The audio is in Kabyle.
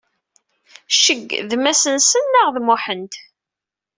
Cgg d Massnsn nɣ d Muḥand?